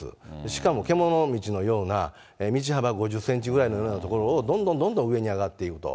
しかも獣道のような、道幅５０センチぐらいのような所をどんどんどんどん上に上がっていくと。